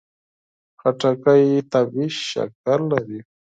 خټکی طبیعي شکر لري.